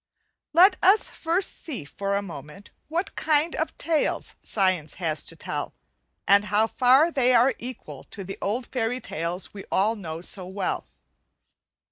Let us first see for a moment what kind of tales science has to tell, and how far they are equal to the old fairy tales we all know so well.